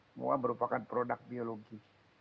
semua berupakan produk biologi